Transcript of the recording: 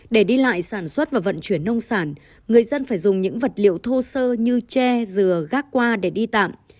để đi lại sản xuất và vận chuyển nông sản người dân phải dùng những vật liệu thô sơ như tre dừa gác qua để đi tạm